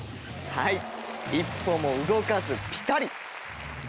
一歩も動かずピタリ。